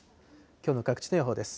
きょうの各地の予報です。